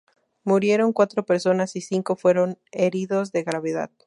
Murieron cuatro personas y cinco fueron heridos de gravedad.